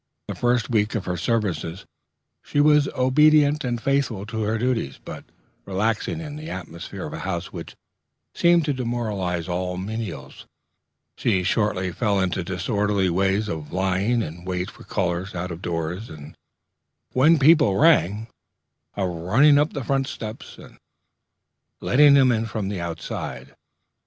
The first week of her services she was obedient and faithful to her duties; but, relaxing in the atmosphere of a house which seems to demoralize all menials, she shortly fell into disorderly ways of lying in wait for callers out of doors, and, when people rang, of running up the front steps, and letting them in from the outside.